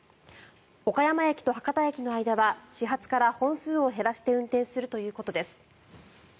岡山駅と博多駅の間は始発から本数を減らして運転するということです。